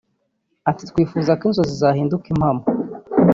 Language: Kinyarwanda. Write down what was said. Ati”twifuza ko inzozi zahinduka impamo